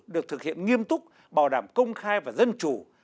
được thực hiện nghiêm túc bảo đảm công khai và dân chủ